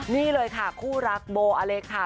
นี่เลยค่ะคู่รักโบอเล็กค่ะ